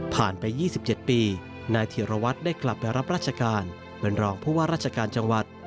ไป๒๗ปีนายธีรวัตรได้กลับไปรับราชการเป็นรองผู้ว่าราชการจังหวัด